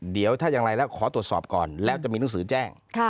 เดี๋ยวถ้าอย่างไรแล้วขอตรวจสอบก่อนแล้วจะมีหนังสือแจ้ง